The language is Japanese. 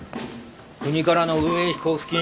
国からの運営費交付金